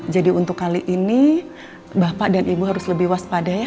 jadi untuk kali ini bapak dan ibu harus lebih waspada ya